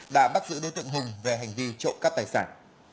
đã bắt giữ đối tượng hùng về hành vi trộm cắp tài sản